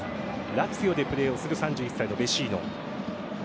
ラツィオでプレーをする３１歳のヴェシーノ。